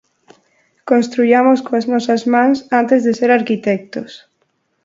Construïamos coas nosas mans antes de ser arquitectos.